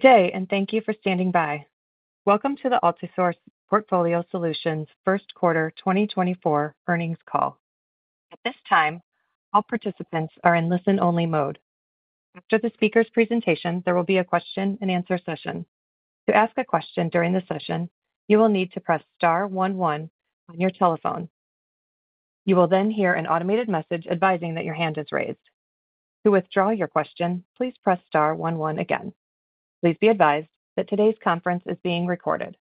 Good day, and thank you for standing by. Welcome to the Altisource Portfolio Solutions first quarter 2024 earnings call. At this time, all participants are in listen-only mode. After the speaker's presentation, there will be a question and answer session. To ask a question during the session, you will need to press star one one on your telephone. You will then hear an automated message advising that your hand is raised. To withdraw your question, please press star one one again. Please be advised that today's conference is being recorded.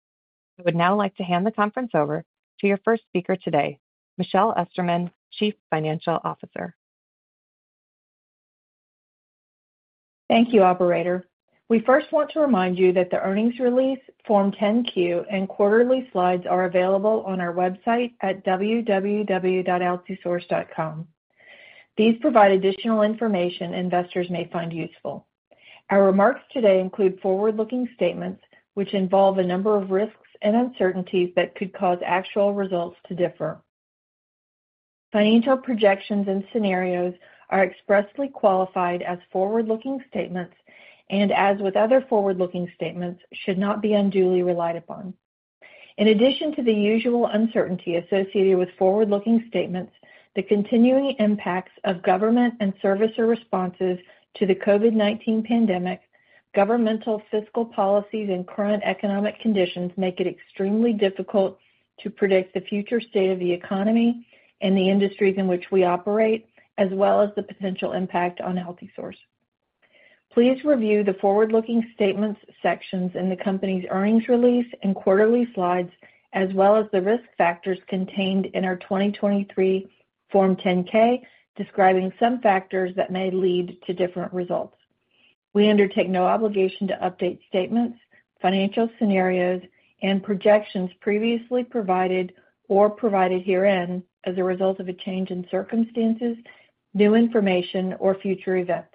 I would now like to hand the conference over to your first speaker today, Michelle Esterman, Chief Financial Officer. Thank you, operator. We first want to remind you that the earnings release, Form 10-Q, and quarterly slides are available on our website at www.altisource.com. These provide additional information investors may find useful. Our remarks today include forward-looking statements, which involve a number of risks and uncertainties that could cause actual results to differ. Financial projections and scenarios are expressly qualified as forward-looking statements and, as with other forward-looking statements, should not be unduly relied upon. In addition to the usual uncertainty associated with forward-looking statements, the continuing impacts of government and servicer responses to the COVID-19 pandemic, governmental fiscal policies, and current economic conditions make it extremely difficult to predict the future state of the economy and the industries in which we operate, as well as the potential impact on Altisource. Please review the forward-looking statements sections in the company's earnings release and quarterly slides, as well as the risk factors contained in our 2023 Form 10-K, describing some factors that may lead to different results. We undertake no obligation to update statements, financial scenarios, and projections previously provided or provided herein as a result of a change in circumstances, new information, or future events.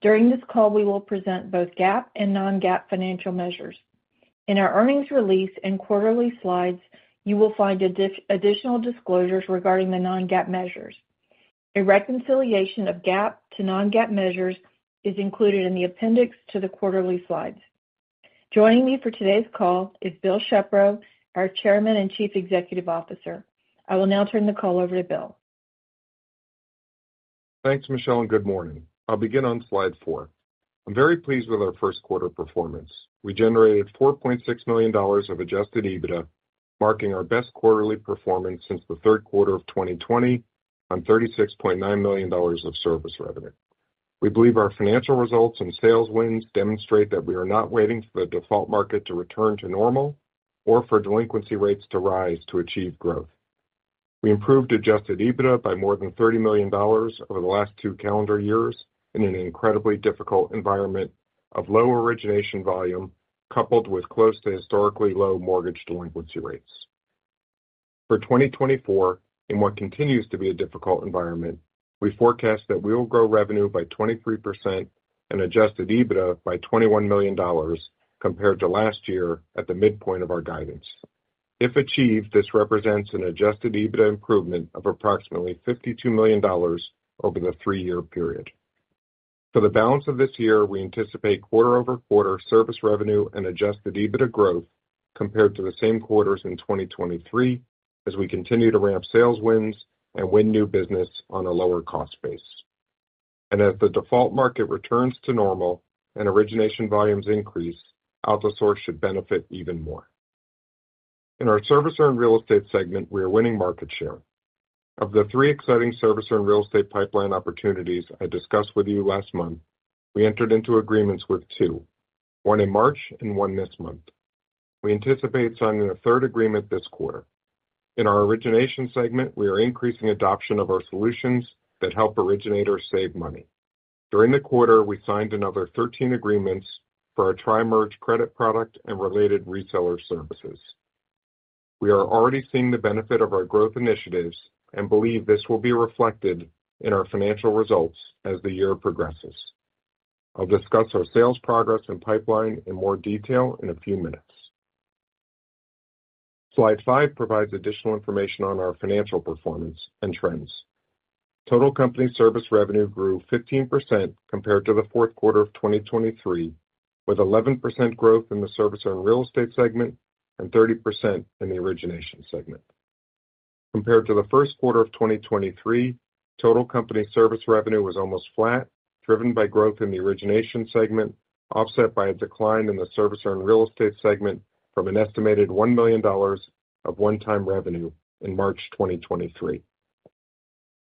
During this call, we will present both GAAP and non-GAAP financial measures. In our earnings release and quarterly slides, you will find additional disclosures regarding the non-GAAP measures. A reconciliation of GAAP to non-GAAP measures is included in the appendix to the quarterly slides. Joining me for today's call is Bill Shepro, our Chairman and Chief Executive Officer. I will now turn the call over to Bill. Thanks, Michelle, and good morning. I'll begin on slide four. I'm very pleased with our first quarter performance. We generated $4.6 million of adjusted EBITDA, marking our best quarterly performance since the third quarter of 2020, on $36.9 million of Service revenue. We believe our financial results and sales wins demonstrate that we are not waiting for the default market to return to normal or for delinquency rates to rise to achieve growth. We improved adjusted EBITDA by more than $30 million over the last two calendar years in an incredibly difficult environment of low origination volume, coupled with close to historically low mortgage delinquency rates. For 2024, in what continues to be a difficult environment, we forecast that we will grow revenue by 23% and adjusted EBITDA by $21 million compared to last year at the midpoint of our guidance. If achieved, this represents an adjusted EBITDA improvement of approximately $52 million over the three-year period. For the balance of this year, we anticipate quarter-over-quarter Service revenue and adjusted EBITDA growth compared to the same quarters in 2023, as we continue to ramp sales wins and win new business on a lower cost base. As the default market returns to normal and origination volumes increase, Altisource should benefit even more. Servicer and Real Estate segment, we are winning market share. Of the 3 exciting Servicer and Real Estate pipeline opportunities I discussed with you last month, we entered into agreements with 2, 1 in March and 1 this month. We anticipate signing a third agreement this quarter. In our Origination segment, we are increasing adoption of our solutions that help originators save money. During the quarter, we signed another 13 agreements for our Tri-Merge credit product and related reseller services. We are already seeing the benefit of our growth initiatives and believe this will be reflected in our financial results as the year progresses. I'll discuss our sales progress and pipeline in more detail in a few minutes. Slide 5 provides additional information on our financial performance and trends. Total company Service revenue grew 15% compared to the fourth quarter of 2023, with 11% growth Servicer and Real Estate segment and 30% in the Origination segment. Compared to the first quarter of 2023, total company Service revenue was almost flat, driven by growth in the Origination segment, offset by a decline Servicer and Real Estate segment from an estimated $1 million of one-time revenue in March 2023.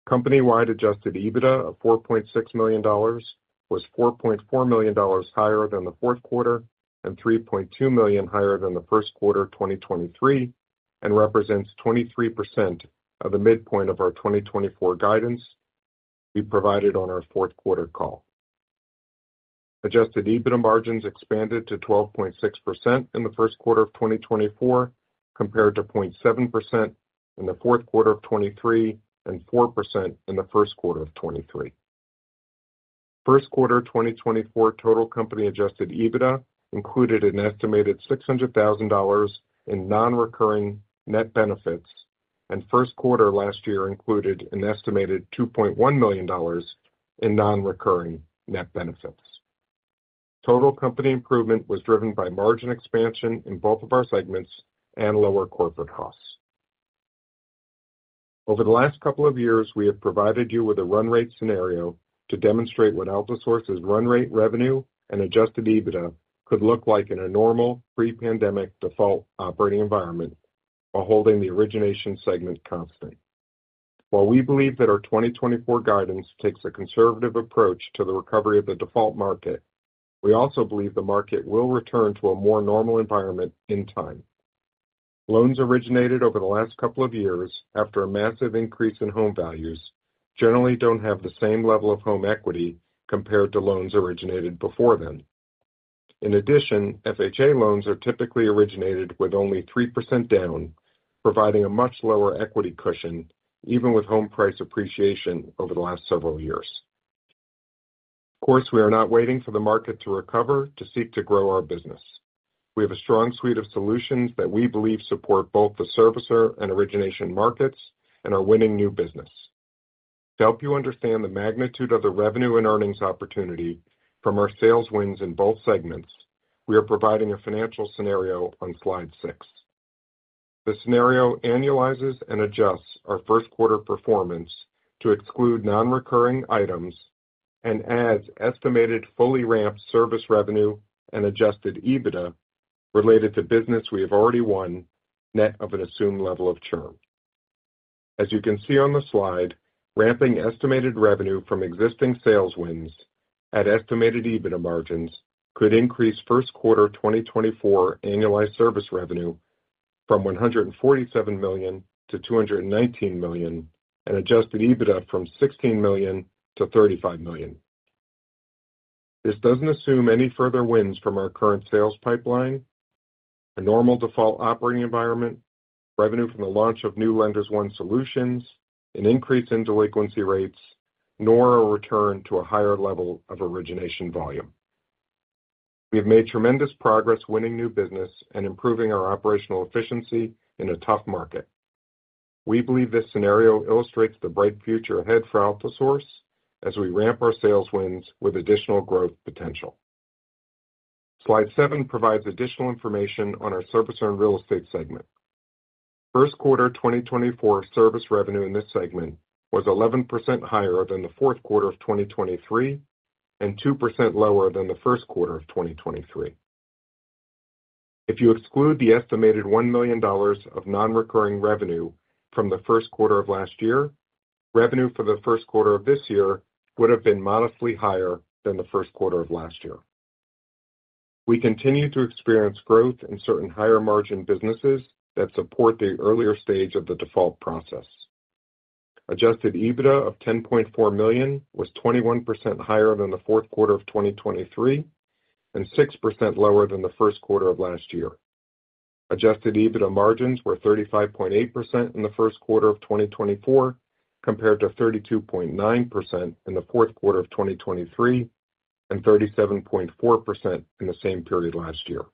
Company-wide adjusted EBITDA of $4.6 million was $4.4 million higher than the fourth quarter and $3.2 million higher than the first quarter of 2023 and represents 23% of the midpoint of our 2024 guidance we provided on our fourth quarter call. Adjusted EBITDA margins expanded to 12.6% in the first quarter of 2024, compared to 0.7% in the fourth quarter of 2023 and 4% in the first quarter of 2023. First quarter 2024 total company adjusted EBITDA included an estimated $600,000 in non-recurring net benefits and first quarter last year included an estimated $2.1 million in non-recurring net benefits. Total company improvement was driven by margin expansion in both of our segments and lower corporate costs. Over the last couple of years, we have provided you with a run-rate scenario to demonstrate what Altisource's run-rate revenue and adjusted EBITDA could look like in a normal, pre-pandemic default operating environment, while holding the Origination segment constant. While we believe that our 2024 guidance takes a conservative approach to the recovery of the default market, we also believe the market will return to a more normal environment in time. Loans originated over the last couple of years, after a massive increase in home values, generally don't have the same level of home equity compared to loans originated before then. In addition, FHA loans are typically originated with only 3% down, providing a much lower equity cushion, even with home price appreciation over the last several years. Of course, we are not waiting for the market to recover to seek to grow our business. We have a strong suite of solutions that we believe support both the servicer and origination markets and are winning new business. To help you understand the magnitude of the revenue and earnings opportunity from our sales wins in both segments, we are providing a financial scenario on slide 6. The scenario annualizes and adjusts our first quarter performance to exclude non-recurring items and adds estimated fully ramped Service revenue and adjusted EBITDA related to business we have already won, net of an assumed level of churn. As you can see on the slide, ramping estimated revenue from existing sales wins at estimated EBITDA margins could increase first quarter 2024 annualized Service revenue from $147 million to $219 million, and adjusted EBITDA from $16 million to $35 million. This doesn't assume any further wins from our current sales pipeline, a normal default operating environment, revenue from the launch of new Lenders One solutions, an increase in delinquency rates, nor a return to a higher level of origination volume. We have made tremendous progress winning new business and improving our operational efficiency in a tough market. We believe this scenario illustrates the bright future ahead for Altisource as we ramp our sales wins with additional growth potential. Slide 7 provides additional information Servicer and Real Estate segment. first quarter 2024 Service revenue in this segment was 11% higher than the fourth quarter of 2023, and 2% lower than the first quarter of 2023. If you exclude the estimated $1 million of non-recurring revenue from the first quarter of last year, revenue for the first quarter of this year would have been modestly higher than the first quarter of last year. We continue to experience growth in certain higher-margin businesses that support the earlier stage of the default process. Adjusted EBITDA of $10.4 million was 21% higher than the fourth quarter of 2023, and 6% lower than the first quarter of last year. Adjusted EBITDA margins were 35.8% in the first quarter of 2024, compared to 32.9% in the fourth quarter of 2023, and 37.4% in the same period last year.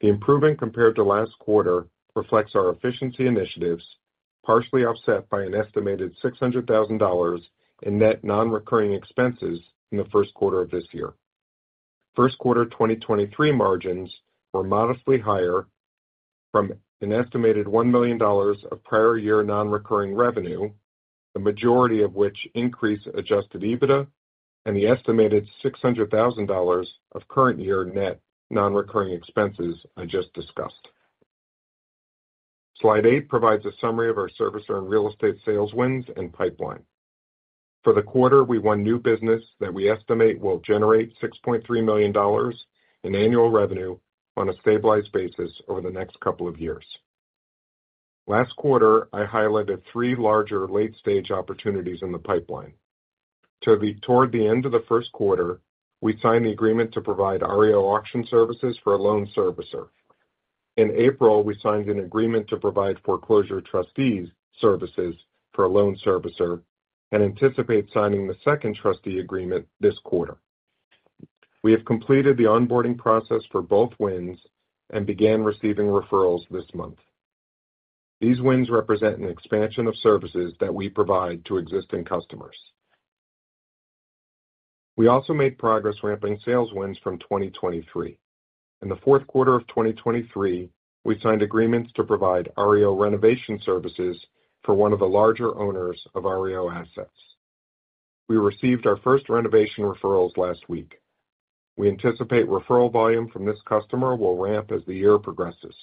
The improvement compared to last quarter reflects our efficiency initiatives, partially offset by an estimated $600,000 in net non-recurring expenses in the first quarter of this year. First quarter 2023 margins were modestly higher from an estimated $1 million of prior year non-recurring revenue, the majority of which increase adjusted EBITDA and the estimated $600,000 of current year net non-recurring expenses I just discussed. Slide 8 provides a summary of our Servicer and Real Estate sales wins and pipeline. For the quarter, we won new business that we estimate will generate $6.3 million in annual revenue on a stabilized basis over the next couple of years. Last quarter, I highlighted three larger late-stage opportunities in the pipeline. Toward the end of the first quarter, we signed the agreement to provide REO auction services for a loan servicer. In April, we signed an agreement to provide foreclosure trustees services for a loan servicer and anticipate signing the second trustee agreement this quarter. We have completed the onboarding process for both wins and began receiving referrals this month. These wins represent an expansion of services that we provide to existing customers. We also made progress ramping sales wins from 2023. In the fourth quarter of 2023, we signed agreements to provide REO renovation services for one of the larger owners of REO assets. We received our first renovation referrals last week. We anticipate referral volume from this customer will ramp as the year progresses.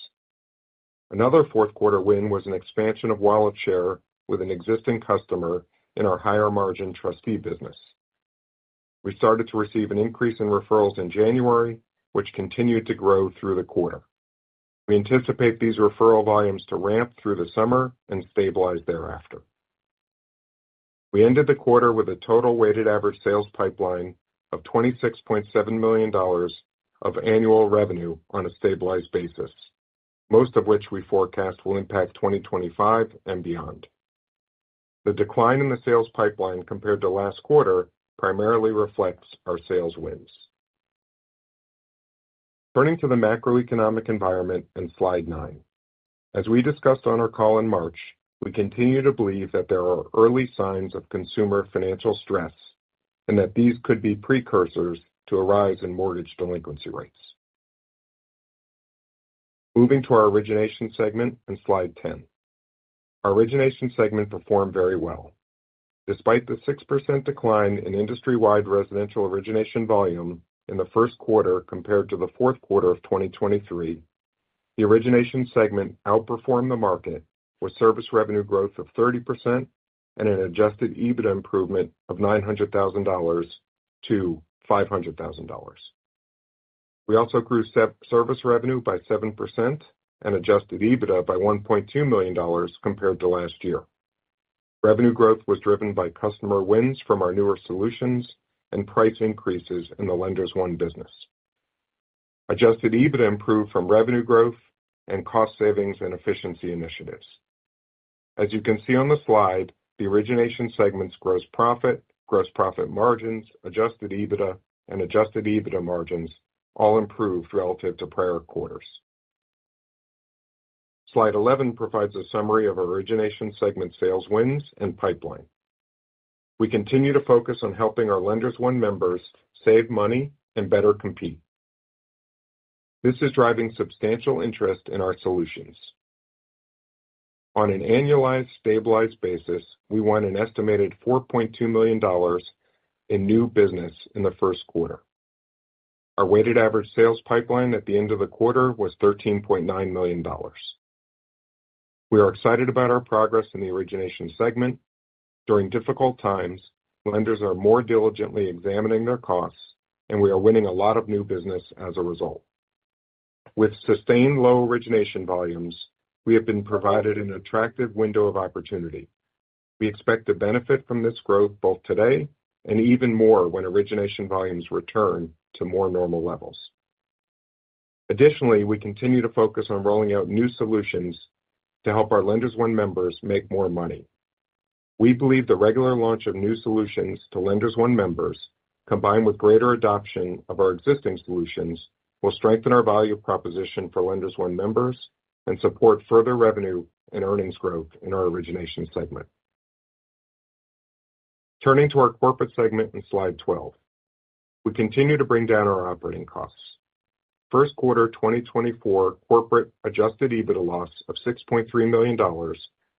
Another fourth quarter win was an expansion of wallet share with an existing customer in our higher-margin trustee business. We started to receive an increase in referrals in January, which continued to grow through the quarter. We anticipate these referral volumes to ramp through the summer and stabilize thereafter. We ended the quarter with a total weighted average sales pipeline of $26.7 million of annual revenue on a stabilized basis, most of which we forecast will impact 2025 and beyond. The decline in the sales pipeline compared to last quarter primarily reflects our sales wins. Turning to the macroeconomic environment on slide 9. As we discussed on our call in March, we continue to believe that there are early signs of consumer financial stress and that these could be precursors to a rise in mortgage delinquency rates. Moving to our Origination segment on slide 10. Our Origination segment performed very well. Despite the 6% decline in industry-wide residential origination volume in the first quarter compared to the fourth quarter of 2023, the Origination segment outperformed the market, with Service revenue growth of 30% and an adjusted EBITDA improvement of $900,000 to $500,000. We also grew Service revenue by 7% and adjusted EBITDA by $1.2 million compared to last year. Revenue growth was driven by customer wins from our newer solutions and price increases in the Lenders One business. Adjusted EBITDA improved from revenue growth and cost savings and efficiency initiatives. As you can see on the slide, the Origination segment's gross profit, gross profit margins, adjusted EBITDA, and adjusted EBITDA margins all improved relative to prior quarters. Slide 11 provides a summary of our Origination segment sales, wins, and pipeline. We continue to focus on helping our Lenders One members save money and better compete. This is driving substantial interest in our solutions. On an annualized, stabilized basis, we won an estimated $4.2 million in new business in the first quarter. Our weighted average sales pipeline at the end of the quarter was $13.9 million. We are excited about our progress in the Origination segment. During difficult times, lenders are more diligently examining their costs, and we are winning a lot of new business as a result. With sustained low origination volumes, we have been provided an attractive window of opportunity. We expect to benefit from this growth both today and even more when origination volumes return to more normal levels. Additionally, we continue to focus on rolling out new solutions to help our Lenders One members make more money. We believe the regular launch of new solutions to Lenders One members, combined with greater adoption of our existing solutions, will strengthen our value proposition for Lenders One members and support further revenue and earnings growth in our Origination segment. Turning to our corporate segment on slide 12. We continue to bring down our operating costs. First quarter 2024 corporate adjusted EBITDA loss of $6.3 million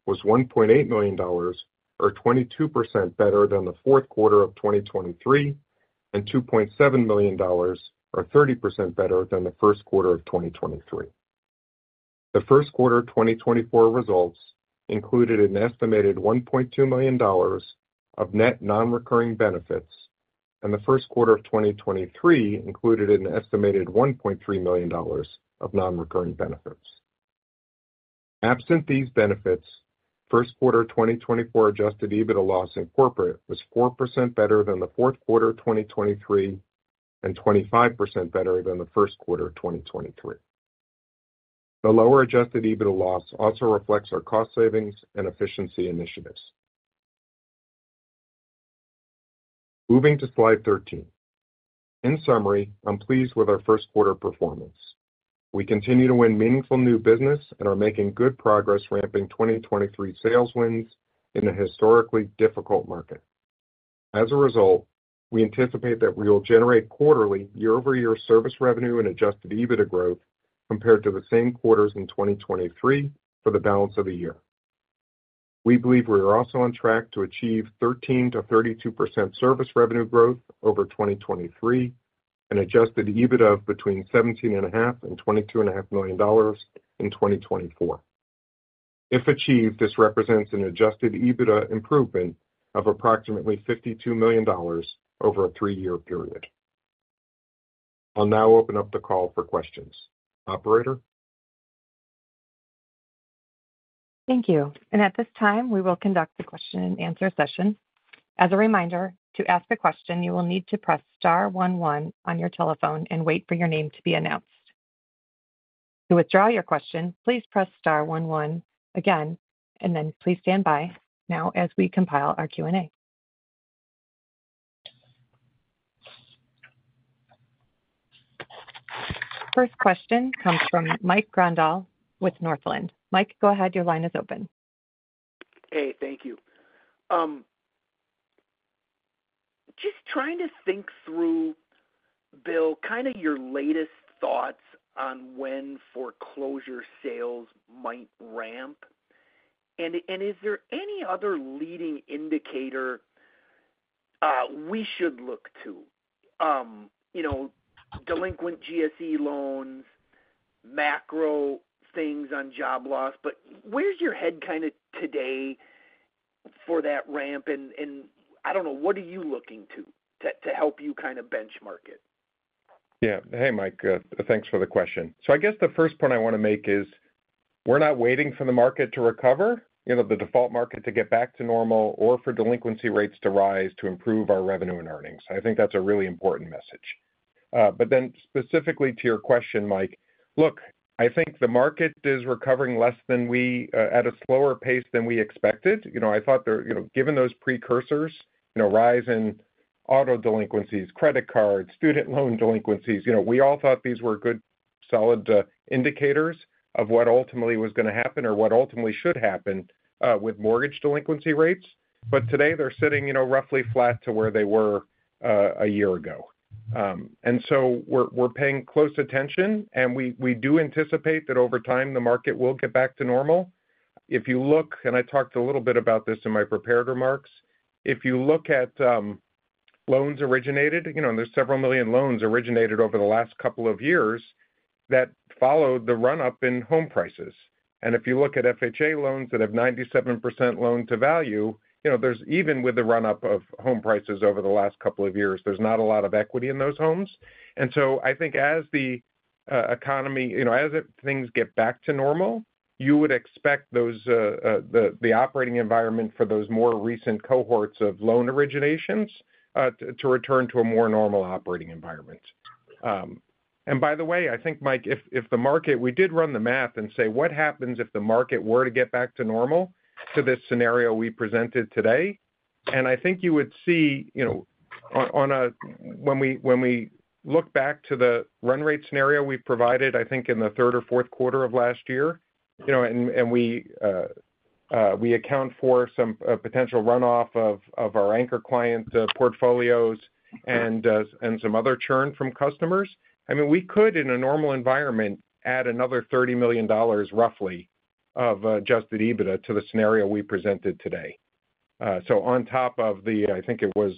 was $1.8 million, or 22% better than the fourth quarter of 2023, and $2.7 million, or 30% better than the first quarter of 2023. The first quarter 2024 results included an estimated $1.2 million of net non-recurring benefits, and the first quarter of 2023 included an estimated $1.3 million of non-recurring benefits. Absent these benefits, first quarter 2024 adjusted EBITDA loss in corporate was 4% better than the fourth quarter of 2023 and 25% better than the first quarter of 2023. The lower adjusted EBITDA loss also reflects our cost savings and efficiency initiatives. Moving to slide 13. In summary, I'm pleased with our first quarter performance. We continue to win meaningful new business and are making good progress ramping 2023 sales wins in a historically difficult market. As a result, we anticipate that we will generate quarterly year-over-year Service revenue and adjusted EBITDA growth compared to the same quarters in 2023 for the balance of the year. We believe we are also on track to achieve 13%-32% Service revenue growth over 2023 and adjusted EBITDA of between $17.5 million and $22.5 million in 2024. If achieved, this represents an adjusted EBITDA improvement of approximately $52 million over a three-year period. I'll now open up the call for questions. Operator? Thank you. At this time, we will conduct the question-and-answer session. As a reminder, to ask a question, you will need to press star one one on your telephone and wait for your name to be announced. To withdraw your question, please press star one one again, and then please stand by now as we compile our Q&A. First question comes from Mike Grondahl with Northland. Mike, go ahead. Your line is open. Hey, thank you. Just trying to think through, Bill, kind of your latest thoughts on when foreclosure sales might ramp. And is there any other leading indicator we should look to? You know, delinquent GSE loans, macro things on job loss, but where's your head kind of today for that ramp? And I don't know, what are you looking to help you kind of benchmark it? Yeah. Hey, Mike, thanks for the question. So I guess the first point I want to make is we're not waiting for the market to recover, you know, the default market to get back to normal or for delinquency rates to rise to improve our revenue and earnings. I think that's a really important message. But then specifically to your question, Mike, look, I think the market is recovering at a slower pace than we expected. You know, I thought there, you know, given those precursors, you know, rise in auto delinquencies, credit cards, student loan delinquencies, you know, we all thought these were solid indicators of what ultimately was going to happen or what ultimately should happen with mortgage delinquency rates. But today they're sitting, you know, roughly flat to where they were a year ago. And so we're paying close attention, and we do anticipate that over time, the market will get back to normal. If you look, and I talked a little bit about this in my prepared remarks, if you look at loans originated, you know, and there's several million loans originated over the last couple of years that followed the run-up in home prices. And if you look at FHA loans that have 97% loan to value, you know, there's even with the run-up of home prices over the last couple of years, there's not a lot of equity in those homes. And so I think as the economy, you know, things get back to normal, you would expect those the operating environment for those more recent cohorts of loan originations to return to a more normal operating environment. And by the way, I think, Mike, if the market, we did run the math and say, what happens if the market were to get back to normal to this scenario we presented today? And I think you would see, you know, when we look back to the run-rate scenario we provided, I think, in the third or fourth quarter of last year, you know, and we account for some potential runoff of our anchor client portfolios and some other churn from customers. I mean, we could, in a normal environment, add another $30 million, roughly, of adjusted EBITDA to the scenario we presented today. So on top of the, I think it was,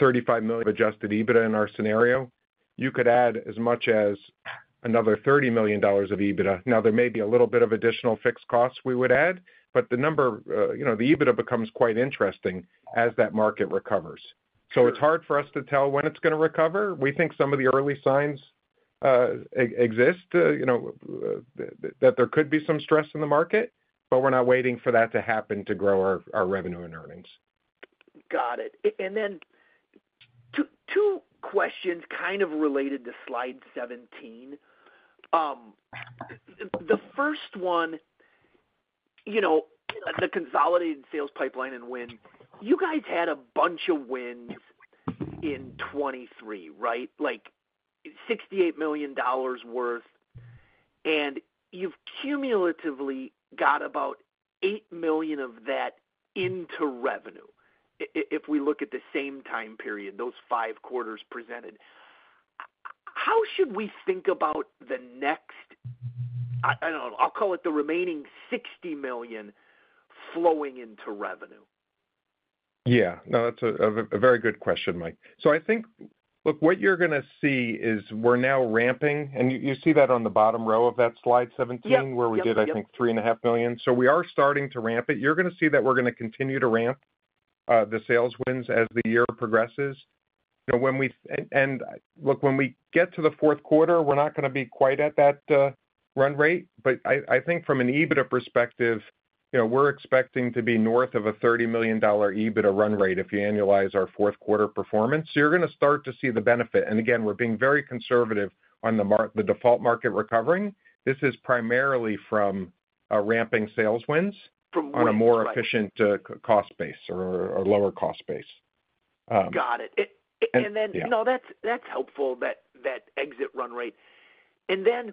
35 million of adjusted EBITDA in our scenario, you could add as much as another $30 million of EBITDA. Now, there may be a little bit of additional fixed costs, we would add, but the number, you know, the EBITDA becomes quite interesting as that market recovers. So it's hard for us to tell when it's going to recover. We think some of the early signs exist, you know, that there could be some stress in the market, but we're not waiting for that to happen to grow our revenue and earnings. Got it. And then two, two questions kind of related to slide 17. The first one, you know, the consolidated sales pipeline and win. You guys had a bunch of wins in 2023, right? Like $68 million worth, and you've cumulatively got about $8 million of that into revenue if we look at the same time period, those five quarters presented. How should we think about the next, I, I don't know, I'll call it the remaining $60 million flowing into revenue? Yeah. No, that's a very good question, Mike. So I think... Look, what you're gonna see is we're now ramping, and you see that on the bottom row of that slide 17- Yep, yep, yep. -where we did, I think, $3.5 million. So we are starting to ramp it. You're gonna see that we're gonna continue to ramp the sales wins as the year progresses. You know, when we and look, when we get to the fourth quarter, we're not gonna be quite at that run-rate. But I think from an EBITDA perspective, you know, we're expecting to be north of a $30 million EBITDA run-rate if you annualize our fourth quarter performance. So you're gonna start to see the benefit. And again, we're being very conservative on the default market recovering. This is primarily from a ramping sales wins- From wins. on a more efficient, cost base or lower cost base. Got it. And- And then- Yeah. No, that's, that's helpful, that, that exit run-rate. And then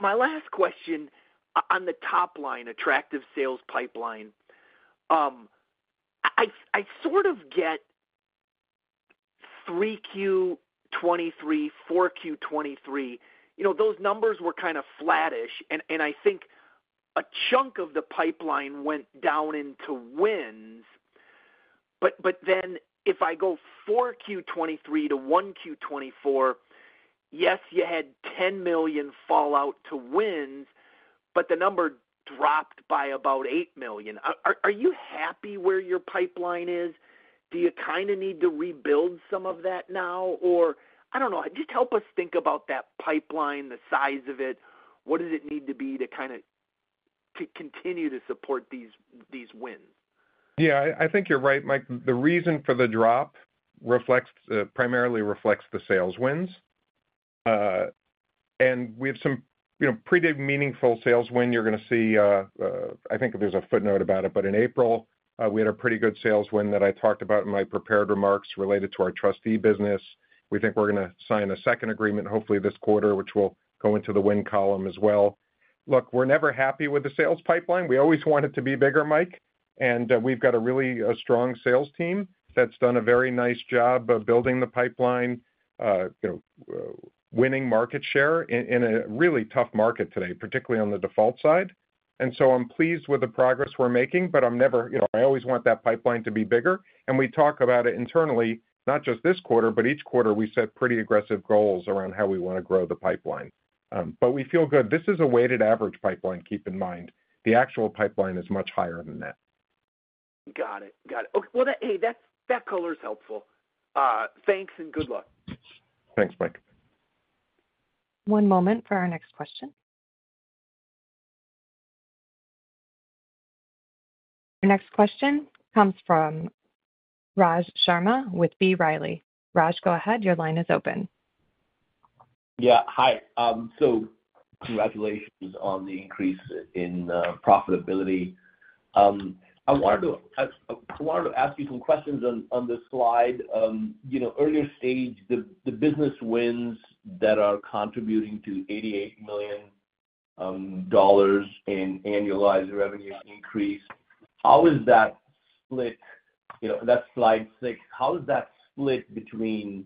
my last question on the top line, attractive sales pipeline. I, I sort of get 3Q23, 4Q23. You know, those numbers were kind of flattish, and, and I think a chunk of the pipeline went down into wins. But, but then if I go 4Q23 to 1Q24, yes, you had $10 million fall out to wins, but the number dropped by about $8 million. Are, are you happy where your pipeline is? Do you kind of need to rebuild some of that now, or... I don't know. Just help us think about that pipeline, the size of it. What does it need to be to kind of, to continue to support these, these wins? Yeah, I think you're right, Mike. The reason for the drop reflects primarily reflects the sales wins. And we have some, you know, pretty meaningful sales win you're gonna see. I think there's a footnote about it. But in April, we had a pretty good sales win that I talked about in my prepared remarks related to our trustee business. We think we're gonna sign a second agreement, hopefully this quarter, which will go into the win column as well. Look, we're never happy with the sales pipeline. We always want it to be bigger, Mike, and we've got a really strong sales team that's done a very nice job of building the pipeline, you know, winning market share in a really tough market today, particularly on the default side. And so I'm pleased with the progress we're making, but I'm never, you know, I always want that pipeline to be bigger. And we talk about it internally, not just this quarter, but each quarter we set pretty aggressive goals around how we want to grow the pipeline. But we feel good. This is a weighted average pipeline, keep in mind. The actual pipeline is much higher than that. Got it. Got it. Okay. Well, that... Hey, that, that color is helpful. Thanks and good luck. Thanks, Mike. One moment for our next question. Your next question comes from Raj Sharma with B. Riley. Raj, go ahead. Your line is open. Yeah. Hi. Congratulations on the increase in profitability. I wanted to ask you some questions on this slide. You know, earlier stage, the business wins that are contributing to $88 million in annualized revenue increase, how is that split? You know, that's slide six. How is that split between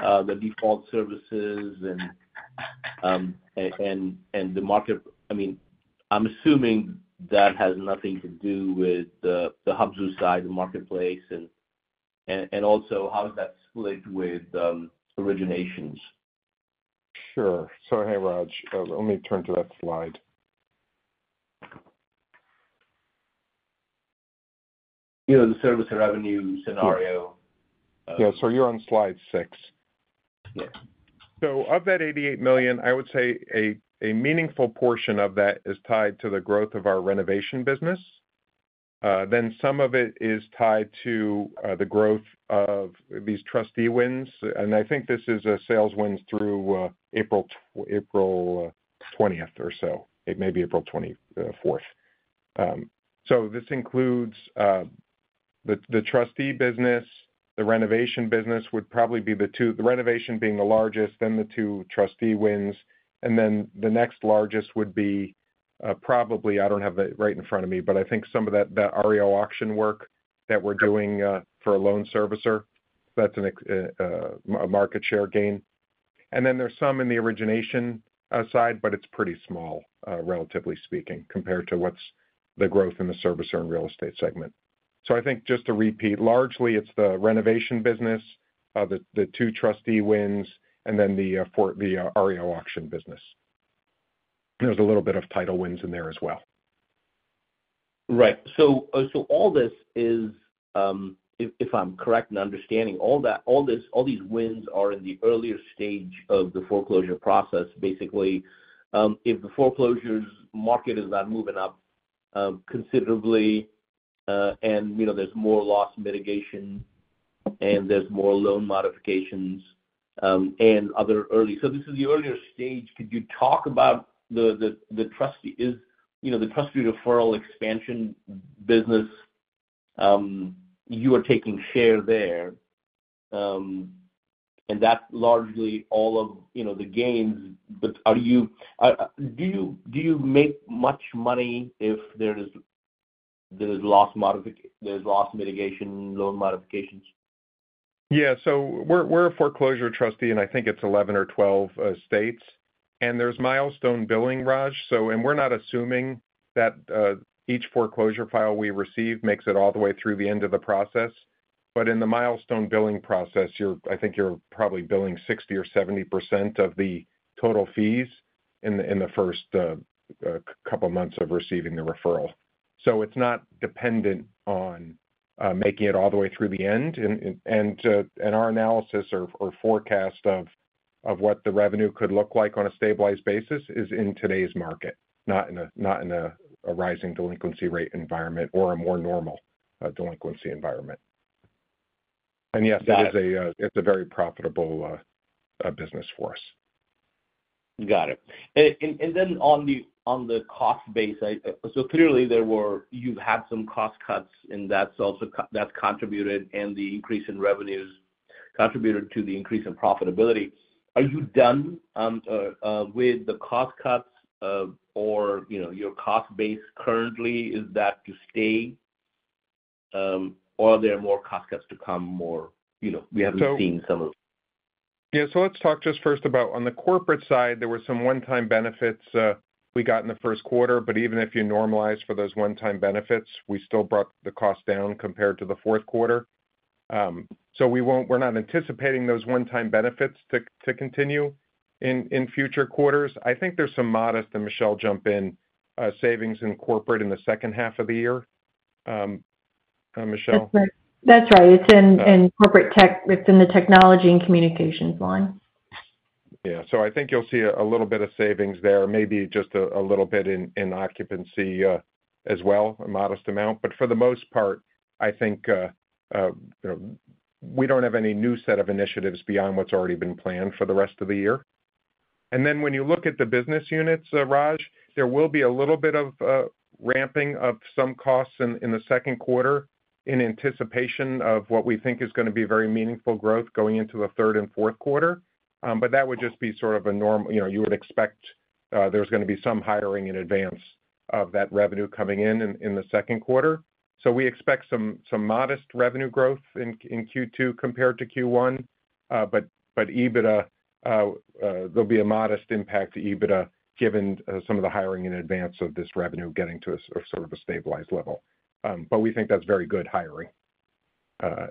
the default services and the market- I mean, I'm assuming that has nothing to do with the Hubzu side, the marketplace. And also, how is that split with originations? Sure. So hey, Raj, let me turn to that slide. You know, the Service revenue scenario. Yeah. So you're on slide six. Yeah. So of that $88 million, I would say a meaningful portion of that is tied to the growth of our renovation business. Then some of it is tied to the growth of these trustee wins, and I think this is sales wins through April 20 or so. It may be April 24. So this includes the trustee business. The renovation business would probably be the renovation being the largest, then the two trustee wins, and then the next largest would be, probably, I don't have that right in front of me, but I think some of that REO auction work that we're doing for a loan servicer, that's a market share gain. And then there's some in the origination side, but it's pretty small, relatively speaking, compared to what's the growth Servicer and Real Estate segment. so i think just to repeat, largely, it's the renovation business, the two trustee wins, and then the REO auction business. There's a little bit of title wins in there as well. Right. So, if I'm correct in understanding, all these wins are in the earlier stage of the foreclosure process. Basically, if the foreclosure market is not moving up considerably, and, you know, there's more loss mitigation, and there's more loan modifications, and other early— So this is the earlier stage. Could you talk about the trustee? You know, the trustee referral expansion business, you are taking share there, and that's largely all of, you know, the gains, but are you— Do you make much money if there is loss mitigation, loan modifications? Yeah. So we're a foreclosure trustee, and I think it's 11 or 12 states, and there's milestone billing, Raj. So we're not assuming that each foreclosure file we receive makes it all the way through the end of the process. But in the milestone billing process, you're—I think you're probably billing 60% or 70% of the total fees in the first couple months of receiving the referral. So it's not dependent on making it all the way through the end. And our analysis or forecast of what the revenue could look like on a stabilized basis is in today's market, not in a rising delinquency rate environment or a more normal delinquency environment. And yes- Got it. It is a, it's a very profitable business for us. Got it. And then on the cost base, so clearly, there were... You've had some cost cuts, and that's also contributed, and the increase in revenues contributed to the increase in profitability. Are you done with the cost cuts, or, you know, your cost base currently, is that to stay, or are there more cost cuts to come, you know, we haven't seen some of? Yeah. So let's talk just first about on the corporate side, there were some one-time benefits, we got in the first quarter, but even if you normalize for those one-time benefits, we still brought the cost down compared to the fourth quarter. So we won't-- we're not anticipating those one-time benefits to, to continue in, in future quarters. I think there's some modest, and Michelle, jump in, savings in corporate in the second half of the year. Michelle? That's right. That's right. It's in, in corporate tech, within the technology and communications line. Yeah. So I think you'll see a little bit of savings there, maybe just a little bit in occupancy as well, a modest amount. But for the most part, I think, you know, we don't have any new set of initiatives beyond what's already been planned for the rest of the year. And then when you look at the business units, Raj, there will be a little bit of ramping of some costs in the second quarter in anticipation of what we think is gonna be very meaningful growth going into the third and fourth quarter. But that would just be sort of a norm, you know, you would expect, there's gonna be some hiring in advance of that revenue coming in in the second quarter. So we expect some modest revenue growth in Q2 compared to Q1. But EBITDA, there'll be a modest impact to EBITDA, given some of the hiring in advance of this revenue getting to a sort of a stabilized level. But we think that's very good hiring,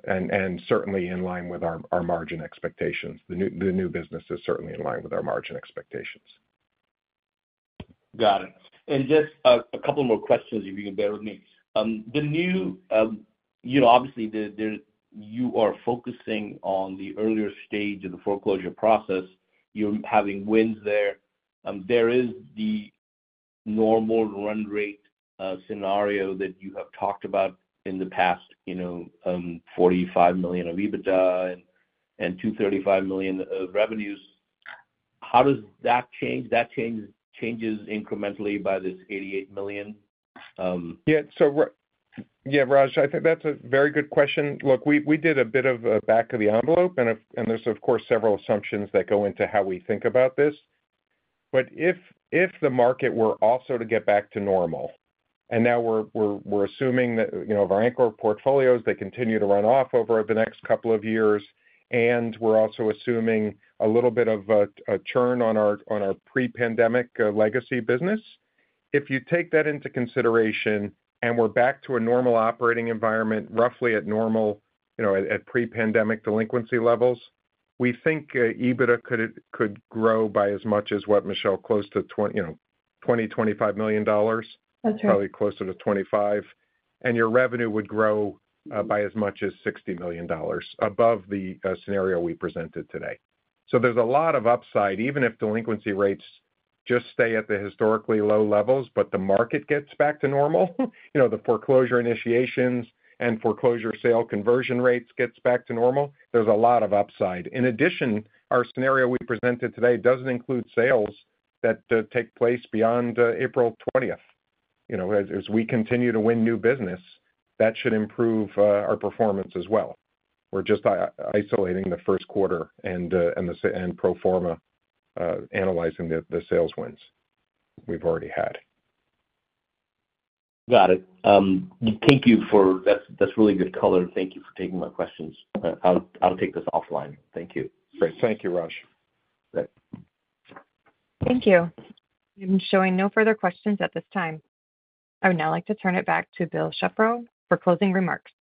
and certainly in line with our margin expectations. The new business is certainly in line with our margin expectations. Got it. And just a couple more questions, if you can bear with me. The new, you know, obviously, there you are focusing on the earlier stage of the foreclosure process. You're having wins there. There is the normal run-rate scenario that you have talked about in the past, you know, $45 million of EBITDA and $235 million of revenues. How does that change? That changes incrementally by this $88 million. Yeah, so yeah, Raj, I think that's a very good question. Look, we, we did a bit of back of the envelope, and if, and there's, of course, several assumptions that go into how we think about this. But if, if the market were also to get back to normal, and now we're, we're, we're assuming that, you know, our anchor portfolios, they continue to run off over the next couple of years, and we're also assuming a little bit of a, a churn on our, on our pre-pandemic legacy business. If you take that into consideration and we're back to a normal operating environment, roughly at normal, you know, at, at pre-pandemic delinquency levels, we think EBITDA could, could grow by as much as what, Michelle? Close to $20 million-$25 million. That's right. Probably closer to 25. Your revenue would grow by as much as $60 million above the scenario we presented today. So there's a lot of upside, even if delinquency rates just stay at the historically low levels, but the market gets back to normal. You know, the foreclosure initiations and foreclosure sale conversion rates gets back to normal, there's a lot of upside. In addition, our scenario we presented today doesn't include sales that take place beyond April 20. You know, as we continue to win new business, that should improve our performance as well. We're just isolating the first quarter and the pro forma analyzing the sales wins we've already had. Got it. Thank you for... That's, that's really good color. Thank you for taking my questions. I'll, I'll take this offline. Thank you. Great. Thank you, Raj. Bye. Thank you. I'm showing no further questions at this time. I would now like to turn it back to Bill Shepro for closing remarks.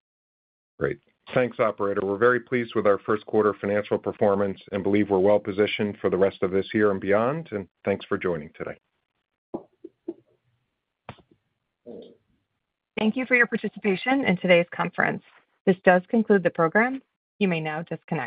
Great. Thanks, operator. We're very pleased with our first quarter financial performance and believe we're well positioned for the rest of this year and beyond, and thanks for joining today. Thank you for your participation in today's conference. This does conclude the program. You may now disconnect.